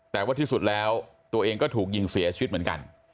แต่ว่าที่สุดแล้วตัวเองก็ถูกยิงเสียชีวิตเหมือนกัน